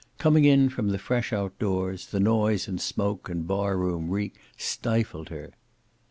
Coming in from the fresh outdoors, the noise and smoke and bar room reek stifled her.